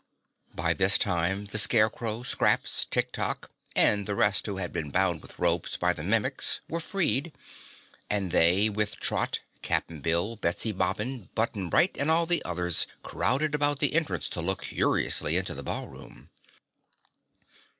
By this time, the Scarecrow, Scraps, Tik Tok and the rest who had been bound with ropes by the Mimics were freed and they with Trot, Cap'n Bill, Betsy Bobbin, Button Bright and the others all crowded about the entrance to look curiously into the ballroom.